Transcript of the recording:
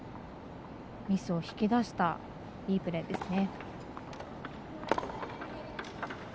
ミスを引き出したいいプレーですね。